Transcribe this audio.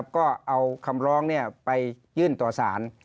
ก็เอาคำร้องไปยื่นต่อสาร